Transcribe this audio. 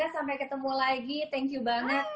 sampai ketemu lagi thank you banget